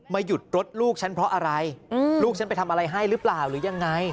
หยุดรถลูกฉันเพราะอะไรลูกฉันไปทำอะไรให้หรือเปล่าหรือยังไง